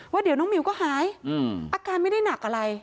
ว่าเดี๋ยวน้องหมิวก็หายอาการไม่ได้หนักอะไร